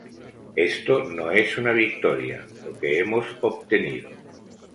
Esto no es una victoria, lo que hemos obtenido.